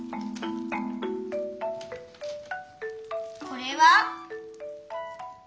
これは？